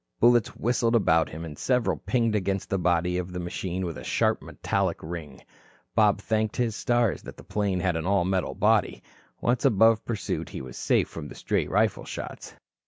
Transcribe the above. Bullets whistled about him, and several pinged against the body of the machine with a sharp metallic ring. Bob thanked his stars that the plane had an all metal body. Once above pursuit, he was safe from stray rifle shots.